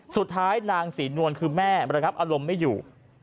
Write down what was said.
สุดท้ายนางศรีนวลคือแม่ระงับอารมณ์ไม่อยู่